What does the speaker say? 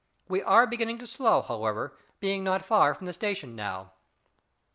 We are beginning to slow, however, being not far from the station now."